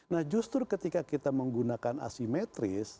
nah justru ketika kita menggunakan asimetris